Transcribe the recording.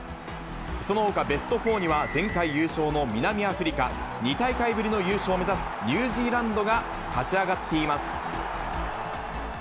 そのほかベスト４には、前回優勝の南アフリカ、２大会ぶりの優勝を目指すニュージーランドが勝ち上がっています。